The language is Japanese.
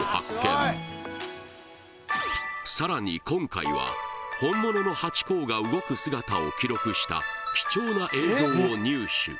今回は本物のハチ公が動く姿を記録した貴重な映像を入手